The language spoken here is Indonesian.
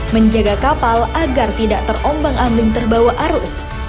menjaga kapal agar tidak terombang ambing terbawa arus